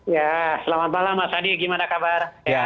ya selamat malam mas adi gimana kabar